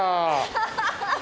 ハハハハ！